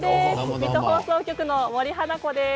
水戸局の森花子です。